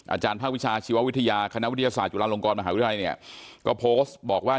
อาจารย์ภาควิชาชีววิทยาคณะวิทยาศาสตุลาลงกรมหาวิทยาลัยเนี่ยก็โพสต์บอกว่า